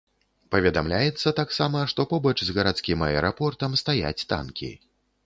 Паведамляецца таксама, што побач з гарадскім аэрапортам стаяць танкі.